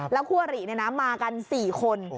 แล้วคั่วหรี่มากัน๔คน